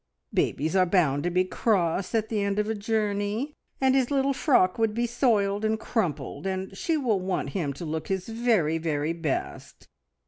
"Babies are bound to be cross at the end of a journey, and his little frock would be soiled and crumpled, and she will want him to look his very, very best.